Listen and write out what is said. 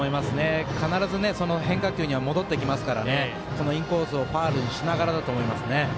必ず変化球には戻ってきますからこのインコースをファウルにしながらだと思いますね。